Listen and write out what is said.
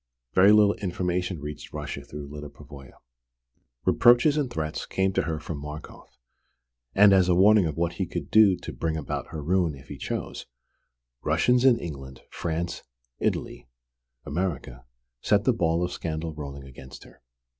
Very little information reached Russia through Lyda Pavoya! Reproaches and threats came to her from Markoff; and as a warning of what he could do to bring about her ruin if he chose, Russians in England, France, Italy, America, set the ball of scandal rolling against her.